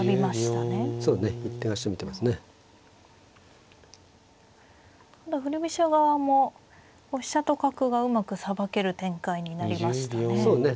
ただ振り飛車側も飛車と角がうまくさばける展開になりましたね。